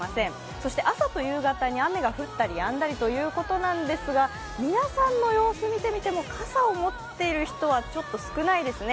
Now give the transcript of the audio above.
そして朝と夕方に、雨が降ったりやんだりということなんですが、皆さんの様子を見てみても、傘を持っている人はちょっと少ないですね。